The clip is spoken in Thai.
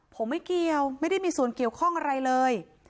ผมไม่เกี่ยวไม่ได้มีส่วนเกี่ยวข้องอะไรเลย